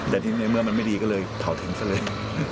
เดี๋ยวที่ในเมืองมันไม่ดีก็เลยเผาทั้งซะเลย